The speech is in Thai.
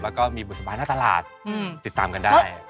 และก็มีบุตรสามารถหน้าตลาดติดตามกันได้